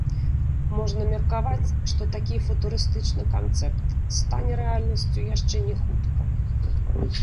Можна меркаваць, што такі футурыстычны канцэпт стане рэальнасцю яшчэ не хутка.